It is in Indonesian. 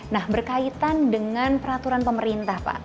nah berkaitan dengan peraturan pemerintah pak